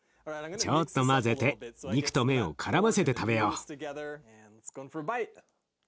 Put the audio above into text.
ちょっと混ぜて肉と麺をからませて食べよう。